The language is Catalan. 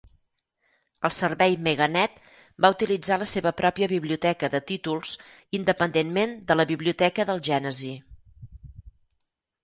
El servei Meganet va utilitzar la seva pròpia biblioteca de títols, independent de la biblioteca del Gènesi.